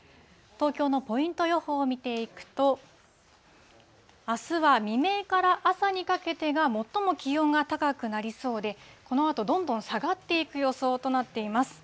東京のポイント予報を見ていくと、あすは未明から朝にかけてが最も気温が高くなりそうで、このあと、どんどん下がっていく予想となっています。